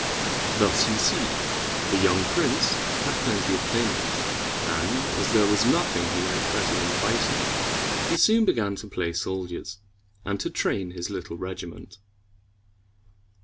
Thus you see the young prince had plenty of playmates; and, as there was nothing he liked better than fighting, he soon began to play soldiers, and to train his little regiment.